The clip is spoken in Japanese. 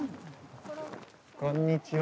こんにちは！